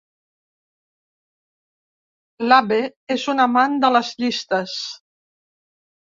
L'Abe és un amant de les llistes.